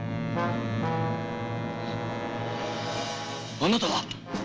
あなたは。